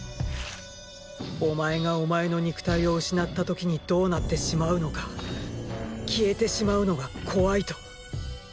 お前がお前の肉体を失った時にどうなってしまうのかーー消えてしまうのが怖いと。